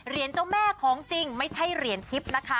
เจ้าแม่ของจริงไม่ใช่เหรียญทิพย์นะคะ